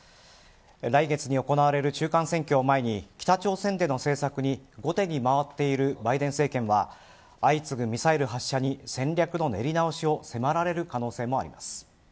来月に行われる中間選挙を前に北朝鮮での政策に後手に回っているバイデン政権は相次ぐミサイル発射に戦略の練り直しを迫られる可能性もあります。